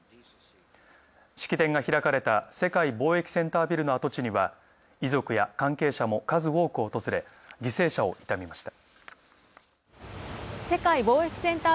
式典が開かれた世界貿易センタービルの跡地には、遺族や関係者も数多く訪れ、犠牲者を悼みました。